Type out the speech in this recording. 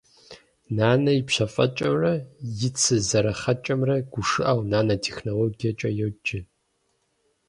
Нанэ и пщафӏэкӏэмрэ и цы зэрыхъэкӏэмрэ гушыӏэу «нанэтехнологиекӏэ» йоджэ.